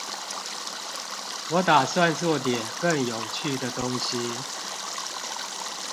我打算做點更有趣的東西